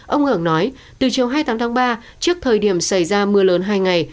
ông ngưỡng nói từ chiều hai tháng ba trước thời điểm xảy ra mưa lớn hai ngày